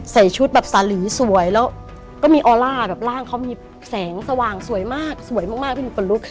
ใส่ชุดสาหรี่สวยแล้วก็มีออร่าแบบร่างเขามีแสงสว่างสวยมากเป็นคนลุก